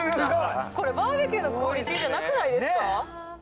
これバーベキューのクオリティーじゃなくないですか？